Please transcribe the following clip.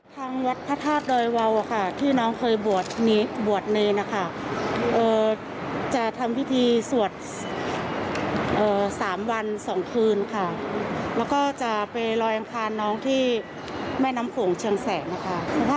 ทุกวันนี้แม่ก็คิดว่าน้องดอมที่เขาอยู่มาเขาก็เป็นเด็กดีเด็กน่ารักอย่างนี้ค่ะ